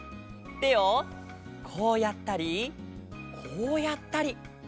てをこうやったりこうやったり。